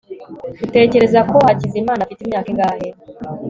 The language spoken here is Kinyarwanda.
utekereza ko hakizimana afite imyaka ingahe